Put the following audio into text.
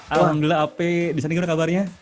alhamdulillah wape di sini gimana kabarnya